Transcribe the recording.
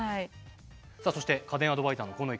そして家電アドバイザーの鴻池さん。